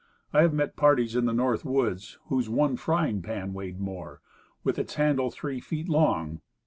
I have met parties in the North Woods whose one frying pan weighed more with its handle three feet long.